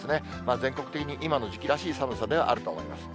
全国的に今の時期らしい寒さではあると思います。